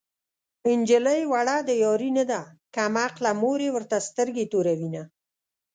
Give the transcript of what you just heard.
نجلۍ وړه د يارۍ نه ده کم عقله مور يې ورته سترګې توروينه